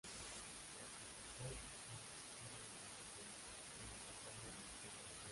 Participó en la captura de Santa Fe y en la batalla de Quebracho Herrado.